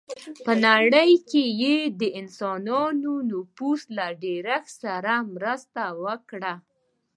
په نړۍ کې یې د انسانانو نفوس له ډېرښت سره مرسته وکړه.